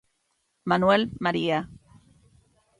Manuel María.